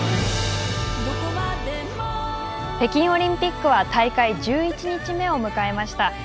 北京オリンピックは大会１１日目を迎えました。